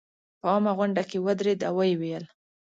په عامه غونډه کې ودرېد او ویې ویل.